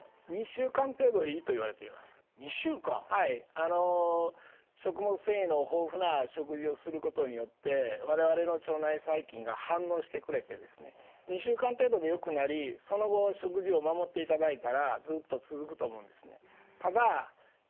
あの食物繊維の豊富な食事をすることによって我々の腸内細菌が反応してくれてですね２週間程度でよくなりその後食事を守っていただいたらずっと続くと思うんですね。